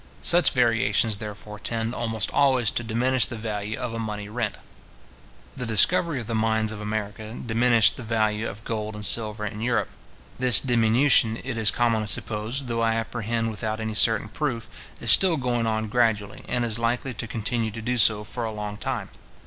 Such variations, therefore, tend almost always to diminish the value of a money rent. The discovery of the mines of America diminished the value of gold and silver in Europe. This diminution, it is commonly supposed, though I apprehend without any certain proof, is still going on gradually, and is likely to continue to do so for a long time.